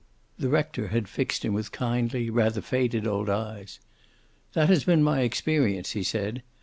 The rector had fixed him with kindly, rather faded old eyes. "That has been my experience," he said.